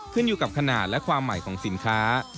ขึ้นอยู่กับขนาดและความใหม่ของสินค้า